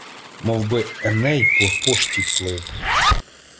Мовби Еней по пошті плив.